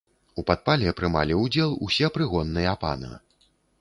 У падпале прымалі ўдзел усе прыгонныя пана.